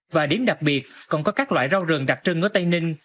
và điểm đặc biệt còn có các loại rau rừng đặc trưng ở tây ninh